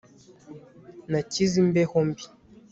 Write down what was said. Nakize imbeho mbi